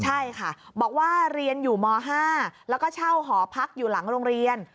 ใช่ค่ะบอกว่าเรียนอยู่ม๕แล้วก็เช่าหอพักอยู่หลังโรงเรียน